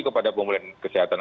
kepada pemulihan kesehatan